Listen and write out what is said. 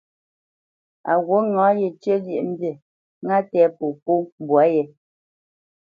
Á wût ŋâ yecə́ lyéʼmbî, ŋá tɛ̂ popó mbwǎ yé.